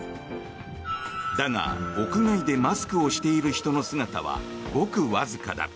だが、屋外でマスクをしている人の姿はごくわずかだ。